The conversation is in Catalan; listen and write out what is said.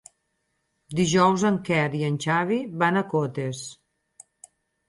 Dijous en Quer i en Xavi van a Cotes.